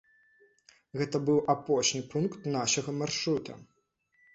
Гэта быў апошні пункт нашага маршрута.